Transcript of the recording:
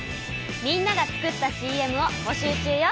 みんなが作ったＣＭをぼしゅう中よ。